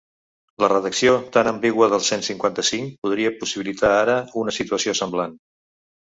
La redacció tan ambigua del cent cinquanta-cinc podria possibilitar ara una situació semblant.